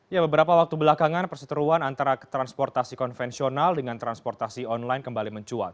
ya beberapa waktu belakangan perseteruan antara transportasi konvensional dengan transportasi online kembali mencuat